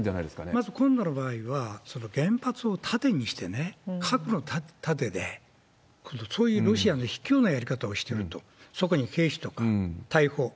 まず今度の場合は、その原発を盾にして、核の盾で、そういうロシアの卑怯なやり方をしてると、そこに兵士とか、大砲。